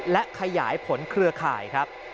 และขยายผลเครือข่ายครับ